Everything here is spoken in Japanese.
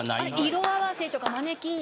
色合わせとかマネキン